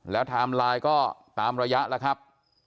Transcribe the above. แล้วไลน์ท็อมก็ตามระยะแล้วครับ